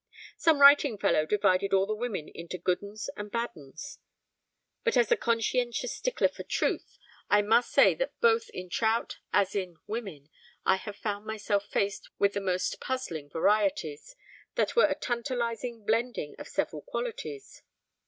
Some writing fellow divided all the women into good uns and bad uns. But as a conscientious stickler for truth, I must say that both in trout as in women, I have found myself faced with most puzzling varieties, that were a tantalizing blending of several qualities.